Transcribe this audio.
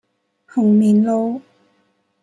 紅棉路